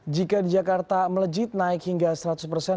jika di jakarta melejit naik hingga seratus persen